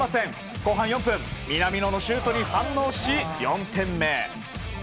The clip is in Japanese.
後半４分、南野のシュートに反応し、４点目。